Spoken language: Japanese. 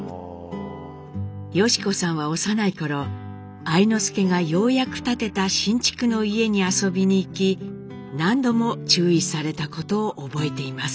良子さんは幼い頃愛之助がようやく建てた新築の家に遊びに行き何度も注意されたことを覚えています。